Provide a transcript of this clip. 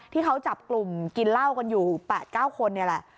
ที่เขาจับกลุ่มกินเหล้ากันอยู่๘๙คนนี่แหละ